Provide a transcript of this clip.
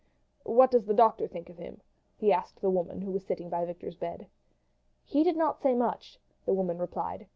"What does the doctor think of him?" he asked the woman who was sitting by Victor's bed. "He did not say much," the woman replied.